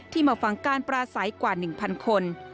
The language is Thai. ที่มาฟังการประสัยกว่า๑๐๐๐คน